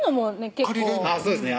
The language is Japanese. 結構そうですね